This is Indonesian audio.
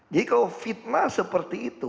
jadi kalau fitnah seperti itu